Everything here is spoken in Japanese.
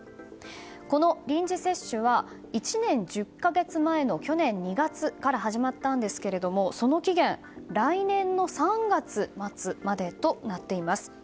この臨時接種は１年１０か月前の去年２月から始まったんですがその期限来年の３月末までとなっています。